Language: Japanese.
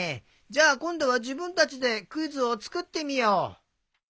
じゃあこんどはじぶんたちでクイズをつくってみよう！